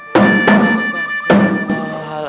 udah ada surah penduk